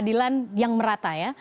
adilan yang merata ya